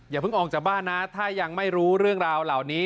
เพิ่งออกจากบ้านนะถ้ายังไม่รู้เรื่องราวเหล่านี้